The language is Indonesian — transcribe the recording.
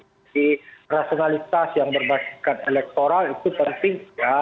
jadi rasionalitas yang berbasiskan elektoral itu penting